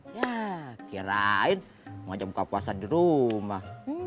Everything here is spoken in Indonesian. yah kirain mau ajak buka puasan di rumah